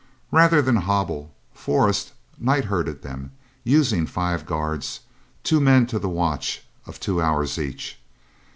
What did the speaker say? Rather than hobble, Forrest night herded them, using five guards, two men to the watch of two hours each.